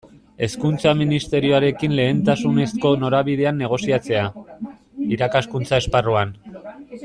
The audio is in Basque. Hezkuntza Ministerioarekin lehentasunezko norabideen negoziatzea, irakaskuntza esparruan.